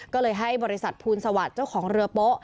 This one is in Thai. ก็เลยให้บริษัทภูลสวัสดิ์เจ้าของเรือโป๊ะ